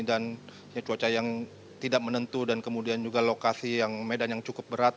dan cuaca yang tidak menentu dan kemudian juga lokasi yang medan yang cukup berat